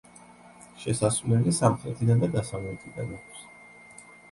შესასვლელი სამხრეთიდან და დასავლეთიდან აქვს.